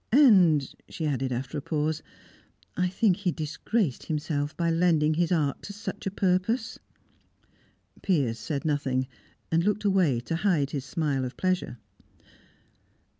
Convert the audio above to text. "And," she added, after a pause, "I think he disgraced himself by lending his art to such a purpose." Piers said nothing, and looked away to hide his smile of pleasure.